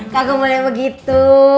kago boleh begitu